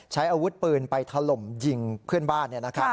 ใช้อาวุธปืนไปถล่มยิงเพื่อนบ้าน